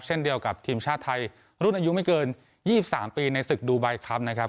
เช่นเดียวกับทีมชาติไทยรุ่นอายุไม่เกิน๒๓ปีในศึกดูไบคลับนะครับ